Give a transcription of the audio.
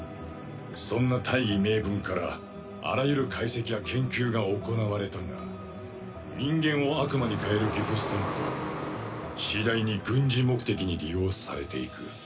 そんな大義名分からあらゆる解析や研究が行われたが人間を悪魔に変えるギフスタンプは次第に軍事目的に利用されていく。